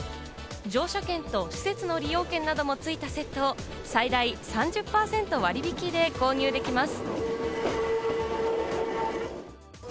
乗車券と施設の利用券なども付いたセットを最大３０％割引で購入できます。